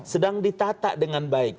sedang ditatak dengan baik